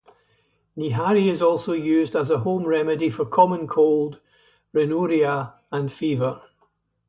Nihari is also used as a home remedy for Common cold, Rhinorrhea and Fever.